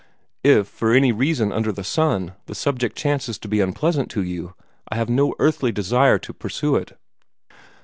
If, for any reason under the sun, the subject chances to be unpleasant to you, I have no earthly desire to pursue it."